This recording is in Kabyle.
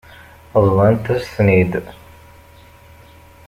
Bḍant-as-ten-id.